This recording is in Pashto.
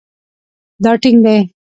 دا ټینګ دی